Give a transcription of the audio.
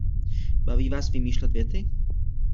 Baví vás vymýšlet věty?